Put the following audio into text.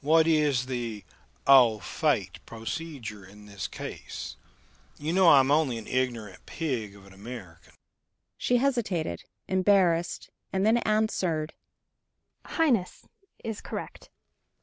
What is the au fait procedure in this case? You know I am only an ignorant pig of an American!"